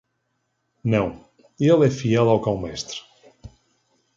Não, ele é fiel ao cão mestre.